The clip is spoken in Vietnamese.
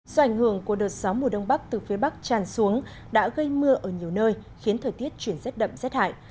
do ảnh hưởng của đợt gió mùa đông bắc từ phía bắc tràn xuống đã gây mưa ở nhiều nơi khiến thời tiết chuyển rất đậm rất hại